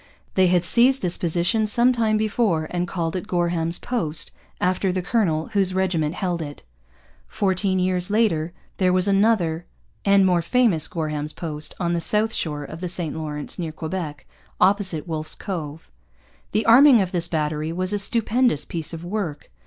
They had seized this position some time before and called it Gorham's Post, after the colonel whose regiment held it. Fourteen years later there was another and more famous Gorham's Post, on the south shore of the St Lawrence near Quebec, opposite Wolfe's Cove. The arming of this battery was a stupendous piece of work.